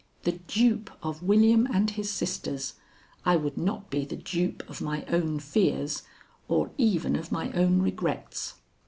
The dupe of William and his sisters, I would not be the dupe of my own fears or even of my own regrets.